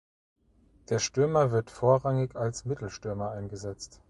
Der Stürmer wird vorrangig als Mittelstürmer eingesetzt.